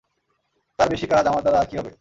তার বেশি কাজ আমার দ্বারা আর কী হবে?